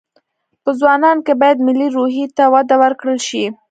په ځوانانو کې باید ملي روحي ته وده ورکړل شي